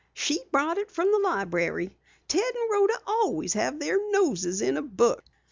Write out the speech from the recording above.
"She brought it from the library. Ted and Rhoda always have their noses in a book.